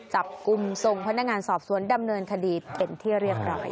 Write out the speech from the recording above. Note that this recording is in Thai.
จับกลุ่มส่งพนักงานสอบสวนดำเนินคดีเป็นที่เรียบร้อย